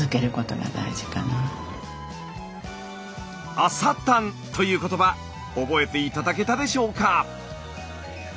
「朝たん」という言葉覚えて頂けたでしょうか。